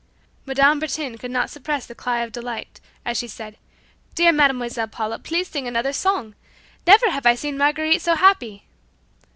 Mme. Bertin could not suppress a cry of delight as she said, "Dear Mademoiselle Paula, please sing another song! Never have I seen my Marguerite so happy."